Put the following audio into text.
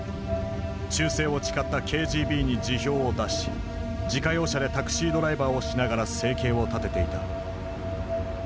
忠誠を誓ったＫＧＢに辞表を出し自家用車でタクシードライバーをしながら生計を立てていた。